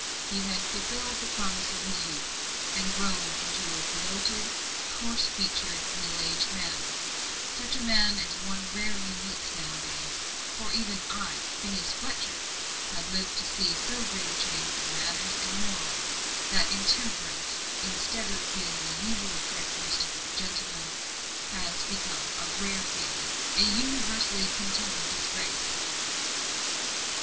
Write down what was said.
He had fulfilled the promise of his youth, and grown into a bloated, coarse featured, middle aged man; such a man as one rarely meets with now a days; for even I, Phineas Fletcher, have lived to see so great a change in manners and morals, that intemperance, instead of being the usual characteristic of "a gentleman," has become a rare failing a universally contemned disgrace.